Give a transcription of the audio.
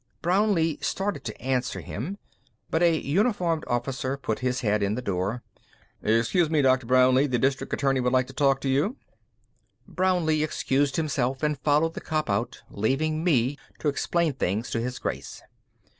Brownlee started to answer him, but a uniformed officer put his head in the door. "Excuse me, Dr. Brownlee, the District Attorney would like to talk to you." Brownlee excused himself and followed the cop out, leaving me to explain things to His Grace.